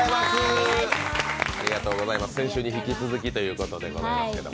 先週に引き続きということでございますけれども。